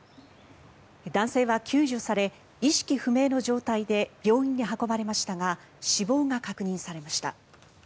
男性は救助され意識不明の状態で病院に運ばれましたが死亡が確認されました。